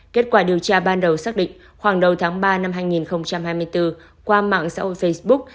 kết quả điều tra ban đầu xác định khoảng đầu tháng ba năm hai nghìn hai mươi bốn qua mạng xã hội facebook